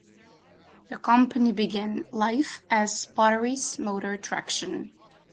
The company began life as Potteries Motor Traction.